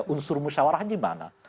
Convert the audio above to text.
unsur musyawaratannya gimana